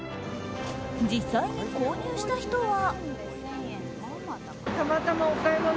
実際に購入した人は。